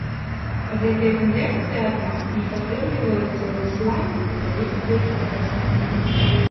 Гэтыя тэндэнцыі, аднак, не падтрымліваюцца ў ісламе, каталіцтве і праваслаўі.